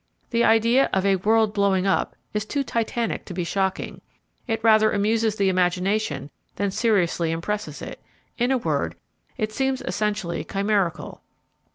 The idea of a world blowing up is too Titanic to be shocking; it rather amuses the imagination than seriously impresses it; in a word, it seems essentially chimerical.